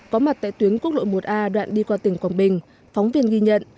có mặt tại tuyến quốc lộ một a đoạn đi qua tỉnh quảng bình phóng viên ghi nhận